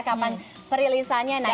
kapan perilisanya naik